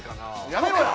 やめろや！